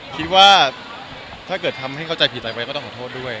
คิดว่าถ้าใครเขาใจผิดซะไว้ก็ต้องอโทษด้วย